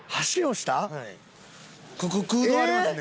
ここ空洞ありますね。